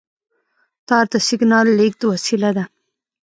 تار د سیګنال لېږد وسیله ده.